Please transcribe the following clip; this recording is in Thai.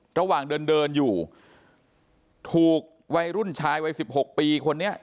ระหว่างเดินเดินอยู่ถูกวัยรุ่นชายวัย๑๖ปีคนนี้